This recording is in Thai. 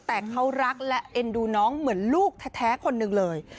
แต่เขารักและเอ็นดูน้องเหมือนลูกแท้คนหนึ่งเลย